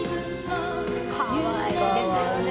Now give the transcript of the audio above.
かわいいですよね。